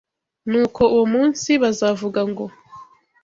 Nuko uwo munsi bazavuga ngo